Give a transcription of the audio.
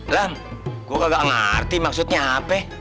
lam gue gak ngerti maksudnya apa